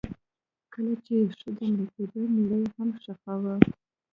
کله چې ښځه مړه کیده میړه یې هم خښاوه.